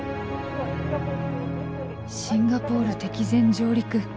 「シンガポール敵前上陸！